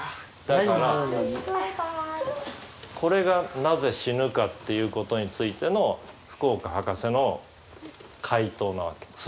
だからこれがなぜ死ぬかっていうことについての福岡ハカセの回答なわけ。